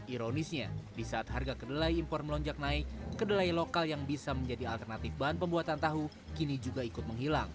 ironisnya di saat harga kedelai impor melonjak naik kedelai lokal yang bisa menjadi alternatif bahan pembuatan tahu kini juga ikut menghilang